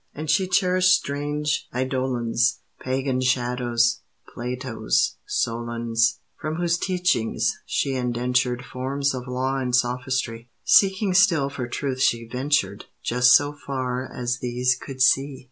And she cherished strange eidolons, Pagan shadows Platos, Solons From whose teachings she indentured Forms of law and sophistry; Seeking still for truth she ventured Just so far as these could see.